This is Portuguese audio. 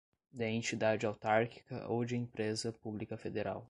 de entidade autárquica ou de empresa pública federal